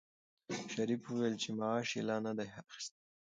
شریف وویل چې معاش یې لا نه دی اخیستی.